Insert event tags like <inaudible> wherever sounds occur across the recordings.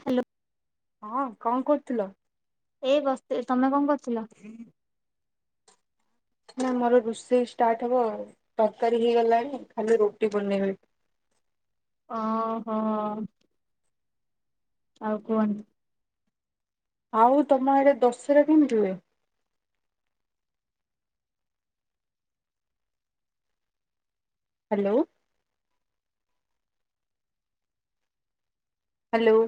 Hello. ହଁ କଣ କରୁଥି? ଏଇ ବସିଥିଲି, ତମେ କଣ କରୁଥିଲ? ନା ମୋର ରୋଷେଇ ଷ୍ଟାର୍ଟ ହବ ତରକାରୀ ହେଇଗଲାଣି ଖାଲି ରୁଟି ବନେଇବି। <inaudible> ଅ ହ। ଆଉ କୁହନ୍ତୁ। ଆଉ ତମ ଆଡେ ଦଶହରା କେମିତି ହୁଏ? ହ୍ୟାଲୋ। ହ୍ୟାଲୋ।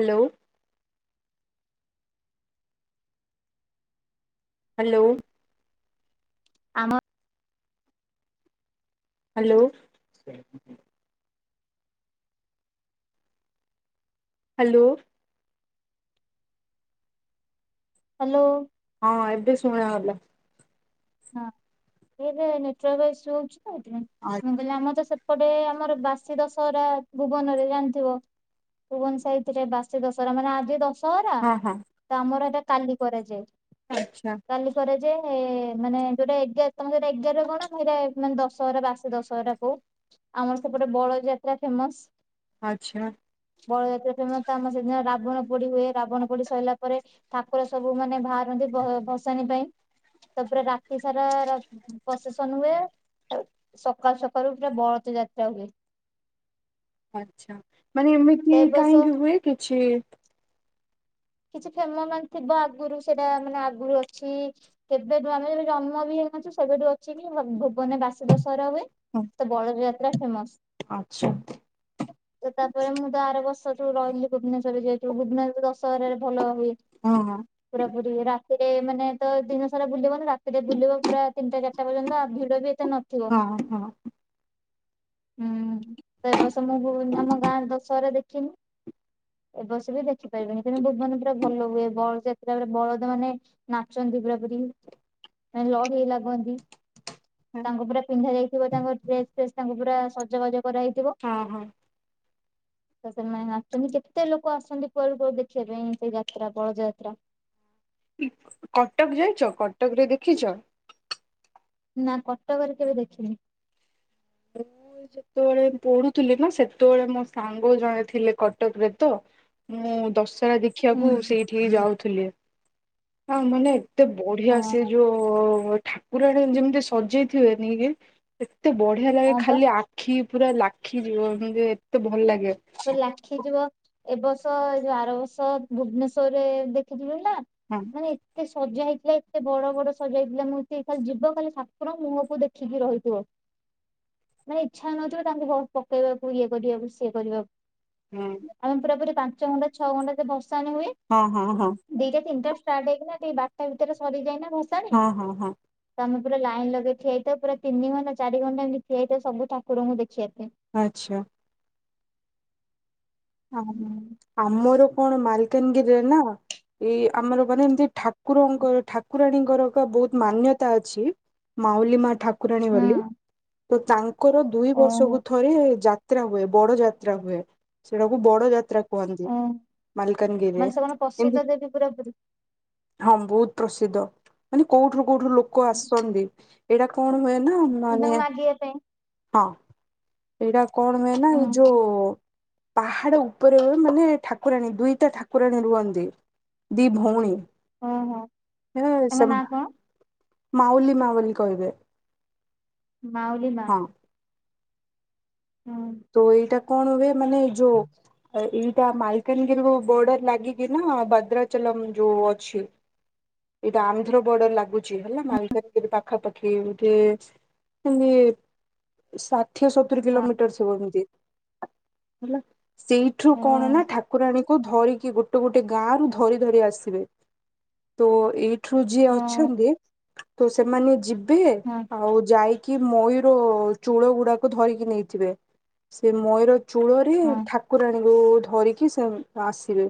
ହ୍ୟାଲୋ। ହ୍ୟାଲୋ। ଆମ। ହ୍ୟାଲୋ। ହ୍ୟାଲୋ। ହ୍ୟାଲୋ। ହଁ ଏବେ ସୁୁଣାହେଲା। ହଁ ଏ ଯୋଉ ନେଟୱର୍କ ଇଶ୍ୟୁ ହଉଛି ତ ସେଥିପାଇଁ ମୁଁ ହଁ କହିଲି ଆମର ତ ସେ ପଟେ ଆମର ବାସି ଦଶହରା ଭୁବନରେ ଜାଣିଥିବ। ଭୁବନ ସାଇଡ୍ ରେ ବାସି ଦଶହରା ମାନେ ଆଜି ଦଶ ଦଶହରା ହଁ ତମର ଏଟା କାଲି କରାଯାଏ ଆଚ୍ଛା କାଲି କରାଯାଏ ଏ ମାନେ ଯୋଉଟା ଏଗାର ତମେ ଯୋଉଟା ଏଗାର ଗଣ ଆମର ଦଶହରା ବାସି ଦଶହରା କହୁ ଆମର ସେ ଗୋଟେ ବଳଯାତ୍ରା ଫେମସ, ଆଚ୍ଛା ବଳଯାତ୍ରା ଫେମସ ତ ଆମର ସେଦିନ ରା ବଣ ପୋଡି ହୁଏ ରାବଣ ପୋଡି ସରିଲା ପରେ ଠାକୁର ସବୁ ମାନେ ବାହାରନ୍ତି ଭଷାଣି ପାଇଁ। ହ <inaudible> ତାପରେ ରାତି ସାରା ର ପ୍ରଶେସନ ହୁଏ। ଆଉ ସକାଳୁ ସକାଳୁ ପୁରା ବଳତ ଯାତ୍ରା ହୁଏ। ଆଛା ମାନେ ଏମିତି ଏ ବର୍ଷ କାହିଁକି ହୁଏ କିଛି। କିଛି ଫେମ ମାନେ ଥିବ ଆଗରୁ ସେଇଟା ମାନେ ଆଗରୁ ଅଛି କେବେ ଆମେ ଜନ୍ମ ବି ସେବେଠୁ ଅଛି କି ଭୁବନ ବାସ ଦଶହରା ହୁଏ ତ ବଳଯାତ୍ରା। ଫେମସ ଆଚ୍ଛା ତାପରେ ମୁଁ ତ ଆର ବର୍ଷଠୁ ରହିଲି ଭୁବନେଶ୍ଵରରେ ଯାଇିକି ଏଇ ଭୁବନେଶ୍ୱର ଦଶହରାରେ ଭଲ ହୁଏ ହଁ ହଁ ପୁରାପୁରି ରା ସେଠି ମାନେ ତ ଦିନ ସାରା ବୁଲିବନି ରାତିରେ ବୁଲିବ ପୁରା ତିନିଟା ଚାରିଟା ପର୍ଯ୍ୟନ୍ତ ଆ ଭିଢ଼ ବି ହଁ ହଁ। ହୁଁ ତ ଏ ବର୍ଷ ମୁଁ ଭୁ ଆମ ଗାଁ ଦଶହରା ଦେଖ ଖିନି ଏ ବର୍ଷ ବି ଦେଖିପାରିବିନି ଭୁବନ ପୁରା ଭଲ ହୁଏ ବଳଦଯାତ୍ରାରେ ବଳଦ ମାନେ ନାଚନ୍ତି ପୁରା ପୁରି ମାନେ ଲଢ଼େଇ ଲାଗନ୍ତି। ତାଙ୍କୁ ପୁରା ପିନ୍ଧା ଯାଇଥିବ ତାଙ୍କ ଡ୍ରେସ ଫ୍ରେସ୍ ତାଙ୍କୁ ପୁରା ସଜବାଜ କରାହେଇଥିବ ହଁ ହଁ ତ ସେମାନେ ନାଚନ୍ତି କେତେ ଲୋକ ଆସନ୍ତି କୁଆଡୁ କୁଆଡୁ ଦେ ଖିବା ପାଇଁ ସେ ଯାତ୍ରା ବଳଦ ଯାତ୍ରା କଟକ ଯାଇଛ, କଟକ ରେ ଦେଖିଛ? ନା କଟକରେ କେବେ ଦେଖିନି। ହ <inaudible> ଯେତେବେଳେ ପଢୁଥିଲି ନା ସେତେବେଳେ ମୋ ସାଙ୍ଗ ଜଣେ ଥିଲେ କଟକରେ ତ ମୁଁ ଦଶହରା ହୁଁ ଦେଖିଆକୁ ସେଇଠି ହି ଯାଉଥିଲି ହଁ ମାନେ ଏତେ ହଁ ବଢିଆ ସେ ଯୋଉ ଠାକୁରାଣୀଙ୍କୁ ଯେମିତି ସଜେଇଥିବେନି କି ଏତେ ବଢିଆ ଲାଗେ ହଁ ପା ଖାଲି ଆଖି ପୁରା ଲାଖିଯିବ ଏମତି ଏତେ ଭଲ ଲାଗେ ଲାଖିଯିବ ଏ ବର୍ଷ ଯୋଉ ଆର ବର୍ଷ ଭୁବନେଶ୍ୱରରେ ଦେଖିଥିବେ ନାଁ ହଁ ମାନେ ଏତେ ସ୍କ୍ ସଜା ହେଇଥିଲା ଏତେ ବଡ ବଡ ସଜା ହେଇଥିଲା ମୂର୍ତ୍ତି ଖାଲି ଯିବ ଖାଲି ଠାକୁର ମୁହଁକୁ ଦେଖିକି ରହିଥିବ ହ <inaudible> ମାନେ ଇଚ୍ଛା ହେଉନଥିବ ତାଙ୍କୁ ପ ପକେଇବାକୁ ଇଏ କରିବାକୁ ସିଏ କରିବାକୁ ହଁ ଆମେ ପୁରା ପୁରି ପାଞ୍ଚ ଘଣ୍ଟା ଛଅ ଘଣ୍ଟା ସେ ଭସ୍ ସାଣି ହୁଏ ହଁ ହଁ ହଁ ଦିଟା ତିନିଟା ଷ୍ଟାର୍ଟ ହେଇକିନା ଟିକେ ବାରଟା ଭିତରେ ସରି ଯାଏନା ଭସାଣି ହଁ ହଁ ହଁ ତମେ ପୁରା ଲାଇନ ଲଗେଇ ଠିଆ ହେଇଥାଉ ପୁରା ତିନି ଘଣ୍ଟା ଚାରି ଘଣ୍ଟା ଏମିତି ଠିଆ ହେଇଥାଉ ସବୁ ଠାକୁରଙ୍କୁ ଦେଖିଆ ପାଇଁ ଆଚ୍ଛା। ହଁ ହୁଁ ଆମର କଣ ମାଲକାନଗିରିରେ ନା ଏଇ ଆମର ମାନେ ଏମିତି ଠାକୁରଙ୍କର ଠାକୁରାଣୀଙ୍କର ଏକ ବହୁତ ମାନ୍ୟତା ଅଛି ମାଉଲି ମା ଠାକୁରାଣୀ ବୋଲି ହଁ ତ ତାଙ୍କର ଦୁଇ ଓହୋ ବର୍ଷକୁ ଥରେ ଯା ତ୍ରା ହୁଏ ବଡ ଯାତ୍ରା ହୁଏ ସେଟାକୁ ବଡ ଯାତ୍ରା କୁହନ୍ତି ଓ ମାଲକାନଗିରିରେ ମାନେ ସେମାନେ ଏମତି ପ୍ରସିଦ୍ଧ ଦେବୀ ପୁରା ପୁରି। ହଁ ବହୁତ ପ୍ରସିଦ୍ଧ ମାନେ କୋଉଠୁରୁ କୋଉଠୁ ଲୋକ ଆସନ୍ତି ଏଇଟା କଣ ହୁଏ ମାନେ ତାଙ୍କୁ ମାଗିଆ ପାଇଁ ହଁ ଏଇଟା କଣ ହୁଏ ନା ଏଇ ଯୋଉ ହୁଁ ପାହାଡ ଉପରେ ମାନେ ଠାକୁରାଣୀ ଦୁଇଟା ଠାକୁରାଣୀ ରୁହନ୍ତି ଦି ଭଉଣୀ ଓହୋ ହେ ତାଙ୍କ ନାଁ କଣ? ମାଉଲି ମା ବୋଲି କହିବେ। ମାଉଲି ମା। ହଁ ହୁଁ ତୋ ଏଇଟା କଣ ହୁଏ ମାନେ ଏଇ ଯୋ ଏଇଟା ମାଲକାନଗିରିକୁ ବୋର୍ଡର ଲାଗିକି ନା ଭଦ୍ରାଚଲମ ଯୋଉ ଅଛି ଏଇଟା ଆନ୍ଧ୍ର ବର୍ଡର ଲାଗୁଛି ହେଲା ମାଲକାନାଗିରି ପାଖାପାଖି ଏମତି ହଲେ ସା ଠିଏ ସତୁରି ହଁ କିଲୋମିଟର ଆସିବ ଏମିତି ହେଲା ସେଇଠୁ ହଁ କଣ ନା ଠାକୁରାଣୀ କୁ ଧରିକି ଗୋଟେ ଗୋଟେ ଗାଁ ରୁ ଧରି ଧରି ଆସିବେ ତୋ ଏଇ ଠୁ ଯିଏ ହଁ ଅଛନ୍ତି ତ ସେମାନେ ଯିବେ ହଁ ଆଉ ଯାଇି କି ମୟୂର ଚୂଳ ଗୁଡାକୁ ଧରିକି ନେଇଥିବେ ସେ ମୟୂର ଚୂଳରେ ହଁ ଠାକୁରାଣୀଙ୍କୁ ଧରିକି ସେ ଆସିବେ।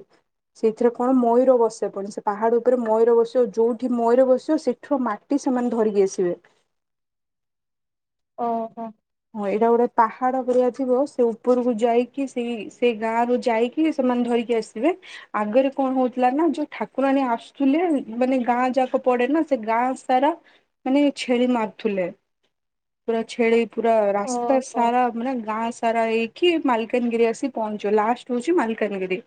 ସେଇଥିରେ ପୁଣି ମୟୂର ବସେ ପୁଣି ସେ ପାହାଡ଼ ଉପରେ ମୟୂର ବସିବ ଯୋଉଠି ମୟୂର ବସିବ ସେଠୁ ମାଟି ସେମାନେ ଧରିକି ଆସିବେ। ଓହୋ। ହଁ ଏଇଟା ଗୋଟେ ପାହାଡ଼ ପରିକା ଥିବ ସେ ଉପରକୁ ଯାଇକି ସେଇ-ସେଇ ଗାଁ ରୁ ଯାଇକି ସେମାନେ ଧ ଆସିବେ ଆଗରେ କଣ ହଉଥିଲା ନା ଯୋଉ ଠାକୁରାଣୀ ଆସୁଥିଲେ ମାନେ ଗାଁ ଯାକ ପଡେ ନା ସେ ଗାଁ ସାରା ମାନେ ଛେଳି ମାରୁୁଥିଲେ ପୁରା ଛେଳି ପୁରା ରାସ୍ତା ଓହୋ ସାରା ମାନେ ଗାଁ ସାରା ଏଇ କି ମାଲକାନଗିରି ଆସି ପହଞ୍ଚିବ ଲାଷ୍ଟ ହଉଛି ମାଲକାନଗିରି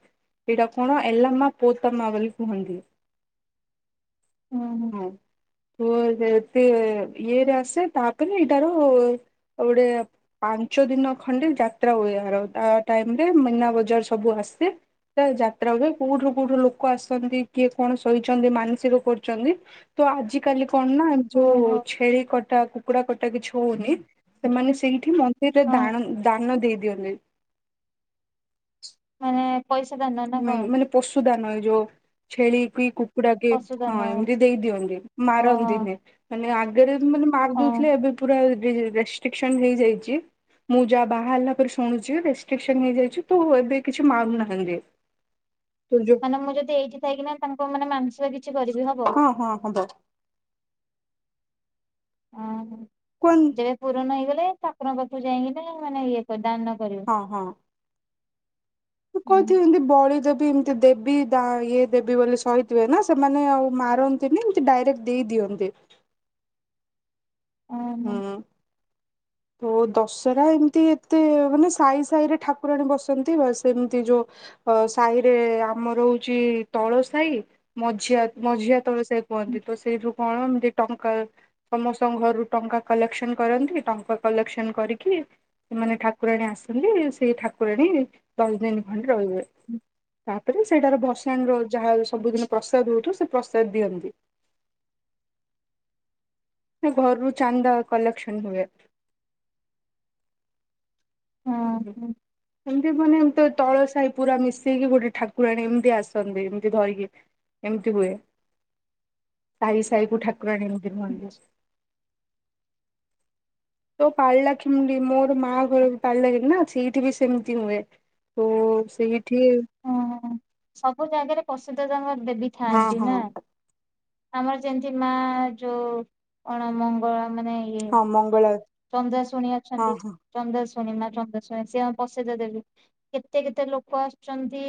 ଏଇଟା କଣ ଏଲାମା ପୋତାମା ବୋଲି କୁହନ୍ତି। ହୁଁ ହୁଁ ହଁ ତ <inaudible> ସେ ଇଏରେ ଆସେ ତାପରେ ଏଇଟାରୁ ଗୋଟେ ପାଞ୍ଚ ଦିନ ଖଣ୍ଡେ ଯାତ୍ରା ହୁଏ ଆର ତା ଟାଇମରେ ମୀନା ବଜାର ସବୁ ହ ଅସ୍ଛି <unintelligible> ତା ଯାତ୍ରା ହୁଏ କୋଉଠିୁ କୋଉଠୁ ଲୋକ ଆସନ୍ତି କିଏ କଣ ସୋଇଛନ୍ତି ମାନସିକ କରୁଛନ୍ତି। ତ ଆଜି କାଲି କଣ ନା ଯୋଉ ଓହୋ ଛେଳି କଟା କୁକୁଡା କଟା କିଛି ହଉନି ସେମାନେ ସେଇଠି ମନ୍ଦିରରେ ହଁ ଦାଣ - ଦାନ ଦେଇ ଦିଅନ୍ତି। <inaudible> ମାନେ ପଇସା ଦାନ ନା କଣ ମାନେ ପଶୁ ଦାନ ଏ ଯୋଉ ଛେଳି କି କୁକୁଡ଼ା ପଶୁ ହଁ ଦାନ ଏମିତି ଦେଇ ଦିଅନ୍ତି ଓହୋ ମାରନ୍ତିନି ମାନେ ଆଗରେ ମାନେ ମାରି ଓ ଦଉଥିଲେ ଏବେ ପୁରା ରେଷ୍ଟ୍ରିକସନ ହେଇଯାଇଛି ମୁଁ ଯାହା ବାହାହେଲା ପରେ ଶୁଣୁଛି ରେଷ୍ଟ୍ରିକସନ ହେଇଯାଇଛି ତ ଏବେ କିଛି ମାରୁୁନାହାନ୍ତି। ମାନେ ମୁଁ ଯଦି ଏଇଠି ଥାଇକି ନା ତାଙ୍କୁ ମାନେ ମାନସିକ କିଛି କରିବି ହବ? ହଁ ହଁ ହବ ଓହୋ କୁହନି ଯେବେ ପୁରଣ ହେଇଗଲେ ଠକୁରଙ୍କ ପାଖୁ ଯାଇକିନା ମାନେ ଇଏ କରିବେ ଦାନ କରିବେ କୁହନ୍ତି ଏମିତି ବଳୀ ଏମିତି ଦେବୀ ଇଏ ଦେବୀ ବୋଲି ସହିଥିବେ ନା ସେମାନେ ଆଉ ମାରନ୍ତିନି ଏମିତି ଡାଇରେକ୍ଟ ଦେଇଦିଅ ଅନ୍ତି। ଓହୋ ହୁଁ। ତ <inaudible> ଦଶହରା ଏମିତି ଏତେ ମାନେ ସାଇ ସାହି ରେ ଠାକୁରାଣୀ ବସନ୍ତି ବା ସେମିତି ଯୋଉ ସାହିରେ ଆମର ହଉଛି ତଳ ସାହି ମଝିଆ -ମଝିଆ ତଳ ସାହି କୁହନ୍ତି ତ ସେଇଥିରୁ କଣ ଏମତି ଟଙ୍କା ସମସ୍ତଙ୍କ ଘରୁ ଟଙ୍କା କଲେକ୍ସନ କରନ୍ତି ଟଙ୍କା କଲେକ୍ସନ କରିକି ସେମାନେ ଠାକୁରାଣୀ ଆସନ୍ତି ସେଇ ଠାକୁରାଣୀ ଦଶ ଦିନ ଭଳି ରହିବେ ତାପରେ ସେଇଟାର ଭସାଣି ର ଯାହା ସବୁଦିନ ପ୍ରସାଦ ହଉଥ ସେ ପ୍ରସାଦ ଦିଅନ୍ତି। ନା ଘରରୁ ଚାନ୍ଦା କଲେକ୍ସନ ହୁଏ। ହଁ ଏମିତି ମାନେ ଏମତି ତଳସାହି ହୋଇଥାଏ ପୁରା ମିଶେଇକି ଗୋଟେ ଠାକୁରାଣୀ ଏମତି ଆସନ୍ତି ଏମିତି ଧରିକି ଏମିତି ହୁଏ। ସାହି ସାହିକୁ ଠାକୁରାଣୀ ମନ୍ଦିର ତୋ ପାରଳାଖେମୁଣ୍ଡି ମୋର ମା ଘର ବି ପାଳିଲା କି ନା ସେଇଠି ବି ସେମିତି ହୁଏ। ହୁଁ ସେଇଠି ହଁ ସବୁ ଜାଗାରେ ପ୍ରସିଦ୍ଧ ତାଙ୍କର ଦେବୀ ହଁ ଥାଆନ୍ତି ହଁ ନା ଆମର ଯେମିତି ମାଁ ଯୋଉ କଣ ମଙ୍ଗଳା ମାନେ ଇଏ ହଁ ମଙ୍ଗଳା ଚନ୍ଦ୍ରାଶୁଣୀ ହଁ ଅଛନ୍ତି ହଁ। ଚନ୍ଦ୍ରା ଶୁଣୀ ମା ଚନ୍ଦ୍ରାଶୁଣୀ ସିଏ ପସେଇଦ ଦେବୀ କେତେ କେତେ ଲୋକ ଆସୁଛନ୍ତି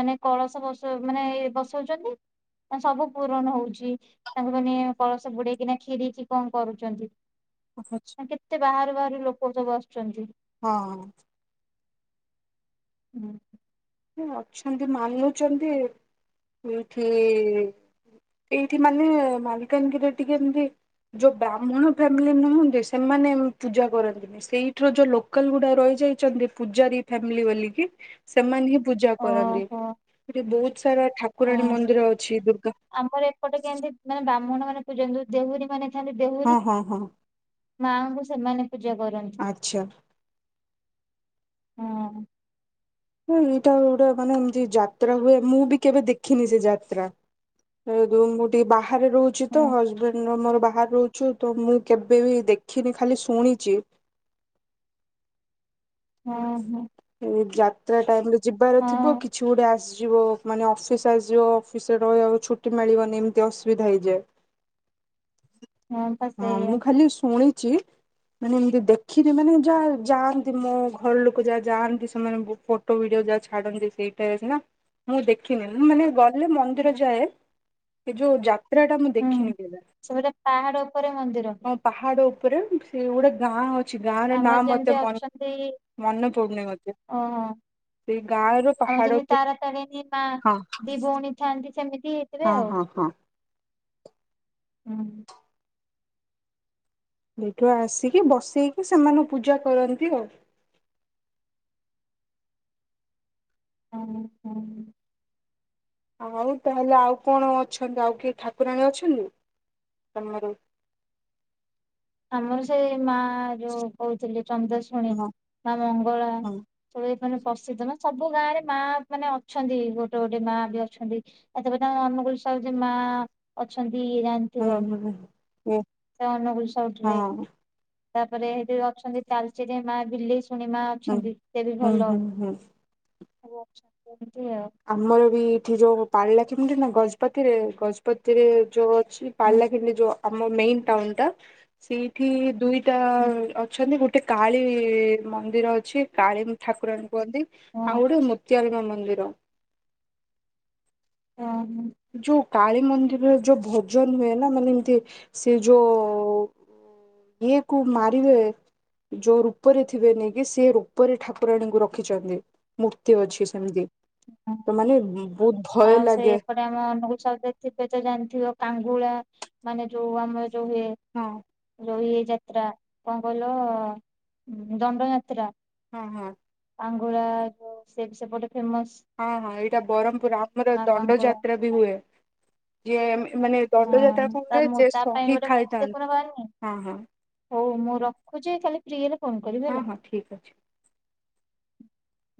ମାନେ କଳସ ବସ ମାନେ ବସଉଛନ୍ତି ସବୁ ପୂୁରଣ ହଉଛି ତାଙ୍କୁ ମାନେ କଳସ ବୁଡେଇକିନା ଖିରକି କଣ କରୁଛନ୍ତି। ଓ ହ, କେତେ ବାହାରୁ ବାହାରୁ ଲୋକ ସବୁ ଆସୁଛନ୍ତି। ହଁ। ହୁଁ ଅଛନ୍ତି ମାନୁଚନ୍ତି ଏଇଠି ଏଇଠି ମାନେ ମାଲିକାନଗିରିରେ ଟିକେ ଏମତି ଯୋଉ ବ୍ରାହ୍ମଣ ଫ୍ୟାମିଲି ନୁହଁନ୍ତି ସେମାନେ ପୂଜା କରନ୍ତିନି। ସେଇଠର ଯୋଉ ଲୋକାଲ ଗୁଡା ରହି ଯାଇଚନ୍ତି ପୂଜାରୀ ଫ୍ୟାମିଲି ବୋଲିକି ସେମାନେ ହିଁ ପୂଜା କରନ୍ତି। ଓହୋ ତାପରେ ବହୁତ ସାରା ଠାକୁରାଣୀ ହଁ। ମନ୍ଦିର ଅଛି ଦୁର୍ଗା ପୂଜନ୍ତୁ ଦେହୁରୀ ମାନେ ଖାଲି ଦେହୁରୀ ହଁ ହଁ ହଁ ମାଙ୍କୁ ସେମାନେ ପୂଜା କରନ୍ତି। ଆଚ୍ଛା ହଁ। ହୁଁ ଏଇଟା ଗୋଟା ମାନେ ଏମତି ଯାତ୍ରା ହୁଏ ମୁଁ ବି କେବେ ଦେଖିନି ସେ ଯାତ୍ରା। ମୁଁ ଟିକେ ବାହାରେ ରହୁଛି ତ ହଁ ହଜବେଣ୍ଡର ମୋର ବାହାରେ ରହୁଛୁ ତ ମୁଁ କେବେ ବି ଦେଖିନି ଖାଲି ଶୁଣିଚି। <inaudible> ହଁ ଏଇ ଯାତ୍ରା ଟାଇମରେ ଯିବାର ଥିବ ହଁ କିଛି ଗୋଟେ ଆସି ଯିବ ମାନେ ଅଫିସ ଆସିଯିବ ଅଫିସରେ ରହିଆକୁ ଛୁଟି ମିଳିବନି ଏମତି ଅସୁବିଧା ହେଇଯାଏ। <inaudible> ପା ହଁ ସେଇଆ ମୁଁ ଖାଲି ଶୁଣିଚି ମାନେ ଏମତି ଦେଖିନି ମାନେ ଯାହା ଯାଆନ୍ତି ମୋ ଘର ଲୋକ ଯାହା ଯାଆନ୍ତି ସେମାନଙ୍କ ଫଟୋ ଭିଡିଓ ଯାହା ଛାଡନ୍ତି ସେଇଟାରେ ସିନା। ମୁଁ ଦେଖିନି ମୁଁ ମାନେ ଗଲେ ମନ୍ଦିର ଯାଏ ଏ ଯୋଉ ଯାତ୍ରା ଟା ମୁଁ ହୁଁ। ଦେଖିନି କେବେ? ସେ ଗୋଟେ ପାହାଡ ଉପରେ ମନ୍ଦିର ହଁ ପାହାଡ ଉପରେ ସେ ଗୋଟେ ଗାଁ ଅ ଛି ଗାଁ ର ନାଁ ଆମର ମତେ ଯେମିତି ଅଛନ୍ତି ମନେ ପଡୁନି ମତେ। ସେଇ ଗାଁ ର ଆଉ ପାହାଡ ଯେମିତି ଉପରେ ତାରା ତାରିଣୀ ମା ହଁ ଦି ଭଉଣୀ ଥାଆନ୍ତି ସେମି ତି ହେଇଥିବେ ହଁ ଆଉ। ହଁ ହଁ ସେଇଠୁ ଆସିକି ବସେଇକି ସେମାନଙ୍କୁ ପୂଜା କରନ୍ତି ଆଉ। ହଁ ହଁ। ଆଉ ତାହେଲେ ଆଉ କଣ ଅଛନ୍ତି ଆଉ କିଏ ଠାକୁରାଣୀ ଅଛନ୍ତି? ତମର? ଆମର ସେଇ ମା ଯୋଉ କହୁଥିଲି ଚନ୍ଦ୍ରାଶୁଣୀ ହଁ ମା ମଙ୍ଗଳା ହଁ <unintelligible> ମାନେ ପ୍ରସିଦ୍ଧ ମାନେ ସବୁ ଗାଁ ରେ ମା ମାନେ ଅଛନ୍ତି ଗୋଟେ ଗୋଟେ ମା ବି ଅଛନ୍ତି ଏଥି ପ ଆମ <unintelligible> ମା ଅଛନ୍ତି ଜାଣିଥିବ ହୁଁ ହୁଁ। ଓ ସେ ଅନୁଗୁଳ ସାଇଟ ରେ ହଁ। ତାପରେ ସେଇଠି ଅଛନ୍ତି ତାଲଚେରି ମା ବିଲି ପୁଣି ମା ହୁଁ। ଅଛନ୍ତି ସେ ବି ହୁଁ ଭଲ। ହୁଁ ହୁଁ ଏମିତି ଆଉ ଆମର ବି ଏଠି ଯୋଉ ପାରଳାଖେମୁଣ୍ଡି ନୁହଁ ଗଜପତିରେ ଗଜପତିରେ ଯୋଉ ହୁଁ ପାରଲାଖେମୁଣ୍ଡି ଯୋଉ ଆମ ମେନ ଟାଉନ ଟା ସେଇଠି ଦୁଇ ଟା ହୁଁ ଅଛନ୍ତି ଗୋଟେ କାଳୀ ମନ୍ଦିର ଅଛି। କାଳୀ ଠାକୁରାଣୀ କୁହନ୍ତି ହଁ। ଆଉ ଗୋଟେ <unintelligible> ମନ୍ଦିର। ହଁ ଯୋଉ କାଳୀ ମନ୍ଦିରରେ ଯୋଉ ଭଜନ ହୁଏ ନା ମାନେ ଏମିତି ସେ ଯୋଉ ଇଏ କୋଉ ମାରିବେ ଯୋଉ ରୂପରେ ଥିବେ ନେଇକି ସେ ରୂପରେ ଠାକୁରାଣୀଙ୍କୁ ରଖିଛନ୍ତି ମୂର୍ତ୍ତି ଅଛି ସେମତି। ହଁ। ତ ମାନେ ବହୁତ ଭୟ ଆଉ ସେ ଲାଗେ ଏପଟେ <unintelligible> ଜାଣିଥିବ କାଙ୍ଗୁଳା ମାନେ ଯୋଉ ଆମର ଯୋଉ ହୁଏ ହଁ ଯୋଉ ଇଏ ଯାତ୍ରା କଣ କହିଲ ଦଣ୍ଡ ଯାତ୍ରା ହଁ ହଁ। ଆଙ୍ଗୁଳା ସେ ସେପଟେ ଫେମସ ହଁ ହଁ ଏଇଟା ବରହମପୁର ଆମର ମା ଦଣ୍ଡ କାଙ୍ଗୁଳା ଯାତ୍ରା ବି ହୁଏ। ଯିଏ ମାନେ ଦଣ୍ଡଯାତ୍ରା ହଁ ତା କରେ ଯେ ତା ପାଇଁ ସହି ଗୋଟେ ମୁଭି ଖାଇଥାଏ ଦେଖୁନ ବାହାରିନି ହଁ ହଁ। ହଉ ମୁଁ ରଖୁଛି ଖାଲି ଫ୍ରି ହେଲେ ଫୋନ କରିବି ହଁ ହେଲା। ହଁ ଠିକ ଅଛି। <unintelligible>